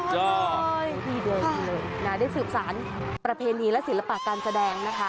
ดีเดิมเลยนะได้ศึกษานประเพณีและศิลปะการแสดงนะคะ